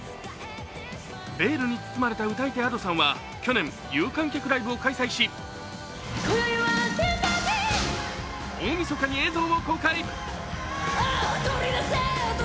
ベールに包まれた歌い手Ａｄｏさんは去年、有観客ライブを開催し大みそかに映像を公開。